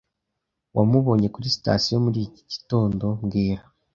Wamubonye kuri sitasiyo muri iki gitondo mbwira